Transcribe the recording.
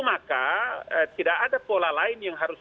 maka tidak ada pola lain yang harus